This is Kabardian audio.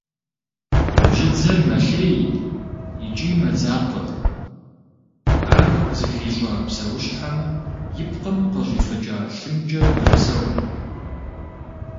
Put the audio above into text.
Бжьыдзэр мэлъей икӏи мэдзакъэ, ар зыхищӏа псэущхьэм и пкъым къыщӏифыкӏа лъымкӏэ мэпсэу.